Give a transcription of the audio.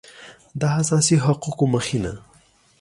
د اساسي حقوقو مخینه